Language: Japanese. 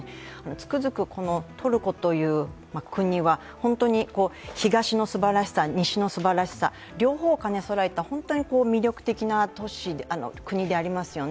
つくづく、トルコという国は本当に東のすばらしさ、西のすばらしさ、両方を兼ね備えた本当に魅力的な国でありますよね。